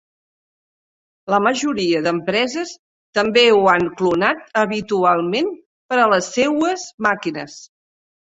La majoria d'empreses també ho han clonat habitualment per a les seues màquines.